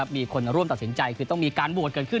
มีคนร่วมตัดสินใจคือต้องมีการโหวตเกิดขึ้น